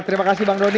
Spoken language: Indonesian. terima kasih bang doni